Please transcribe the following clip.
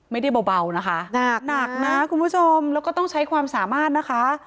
ไม่ได้เบานะคะหนักหนักนะคุณผู้ชมแล้วก็ต้องใช้ความสามารถนะคะ